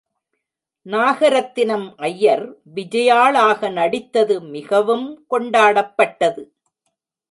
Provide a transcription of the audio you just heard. நாகரத்தினம் ஐயர் விஜயாளாக நடித்தது மிகவும் கொண்டாடப்பட்டது.